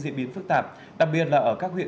diễn biến phức tạp đặc biệt là ở các huyện